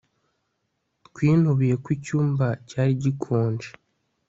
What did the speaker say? Twinubiye ko icyumba cyari gikonje